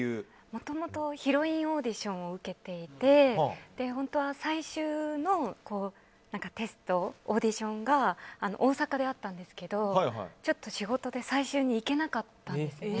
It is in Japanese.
もともとヒロインオーディションを受けていて本当は最終のテストオーディションが大阪であったんですけどちょっと仕事で最終に行けなかったんですね。